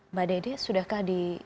mbak dede sudahkah di